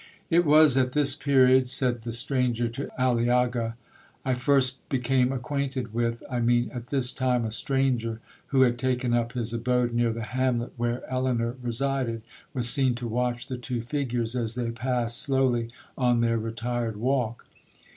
'It was at this period,' said the stranger to Aliaga, 'I first became acquainted with—I mean—at this time a stranger, who had taken up his abode near the hamlet where Elinor resided, was seen to watch the two figures as they passed slowly on their retired walk.